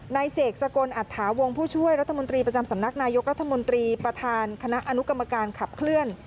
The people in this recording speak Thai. เสกสกลอัตถาวงผู้ช่วยรัฐมนตรีประจำสำนักนายกรัฐมนตรีประธานคณะอนุกรรมการขับเคลื่อน